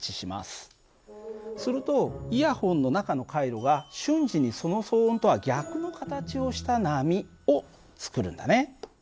するとイヤホンの中の回路が瞬時にその騒音とは逆の形をした波をつくるんだね。